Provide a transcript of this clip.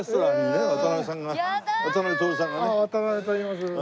渡辺といいます。